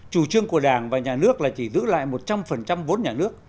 chủ trương của đảng và nhà nước là chỉ giữ lại một trăm linh vốn nhà nước